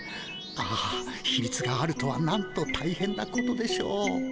ああひみつがあるとはなんとたいへんなことでしょう。